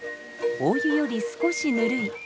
大湯より少しぬるい。